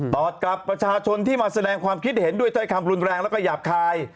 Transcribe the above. อดกับประชาชนที่มาแสดงความคิดเห็นด้วยถ้อยคำรุนแรงแล้วก็หยาบคาย